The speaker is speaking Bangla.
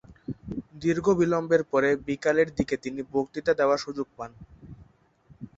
দীর্ঘ বিলম্বের পর বিকেলের দিকে তিনি বক্তৃতা দেওয়ার সুযোগ পান।